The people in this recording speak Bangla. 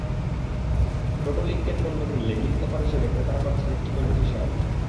টোটোলিংকের পণ্য কিনলে গিফট অফার হিসেবে ক্রেতারা পাচ্ছেন একটি করে টি-শার্ট।